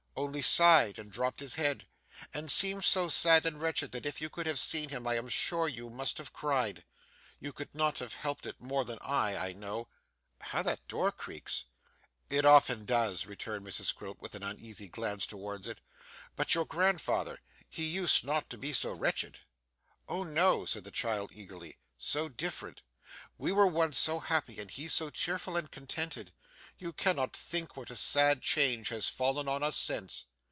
'Only sighed, and dropped his head, and seemed so sad and wretched that if you could have seen him I am sure you must have cried; you could not have helped it more than I, I know. How that door creaks!' 'It often does.' returned Mrs Quilp, with an uneasy glance towards it. 'But your grandfather he used not to be so wretched?' 'Oh, no!' said the child eagerly, 'so different! We were once so happy and he so cheerful and contented! You cannot think what a sad change has fallen on us since.